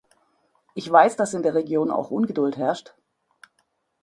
Ich weiß, dass in der Region auch Ungeduld herrscht.